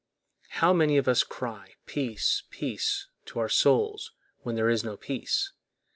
How many of us cry, Peace, peace, to our souls, when there is no peace!